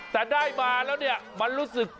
แต่ได้มาแล้วมันรู้สึก